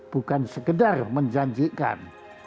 bukan sekedar menjanjikan